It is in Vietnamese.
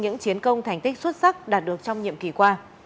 những chiến công thành tích xuất sắc đạt được trong nhiệm kỳ qua